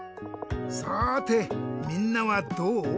さてみんなはどう？